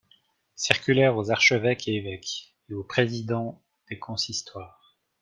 Circulaire aux archevêques et évêques, et aux présidens des consistoires.